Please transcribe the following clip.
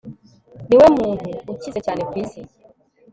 Niwe muntu ukize cyane ku isi